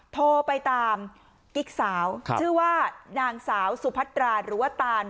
โทรไปตามกิ๊กสาวชื่อว่านางสาวสุพัตราหรือว่าตาน